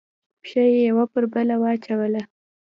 پښه یې یوه پر بله واچوله.